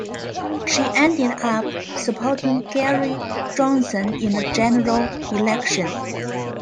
She ended up supporting Gary Johnson in the general election.